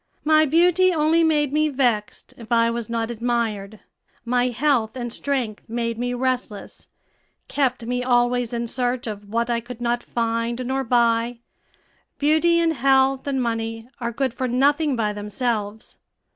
My beauty only made me vexed if I was not admired; my health and strength made me restless, kept me always in search of what I could not find nor buy. Beauty, and health, and money are good for nothing by themselves.